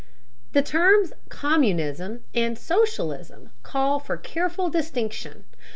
The terms "communism" and "socialism" call for careful distinction.